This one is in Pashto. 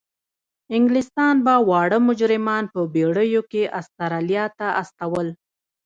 انګلستان به واړه مجرمان په بیړیو کې استرالیا ته استول.